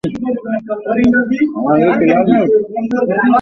পর্দাটানা আধা অন্ধকার ঘরে গেল ওরা।